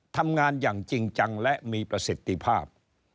ทำงานอย่างจริงจังและมีประสิทธิภาพ